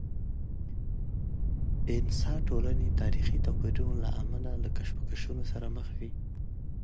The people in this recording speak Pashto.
انسا ټولنې د تاریخي توپیرونو له امله له کشمکشونو سره مخ وي.